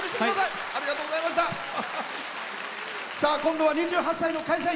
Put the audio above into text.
今度は２８歳の会社員。